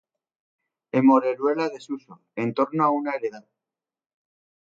En Moreruela de Suso, en torno a una heredad.